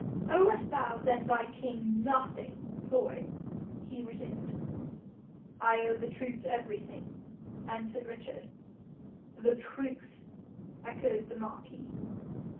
'Owest thou then thy king NOTHING, boy?' he resumed. 'I owe the truth everything,' answered Richard. 'The truth!' echoed the marquis.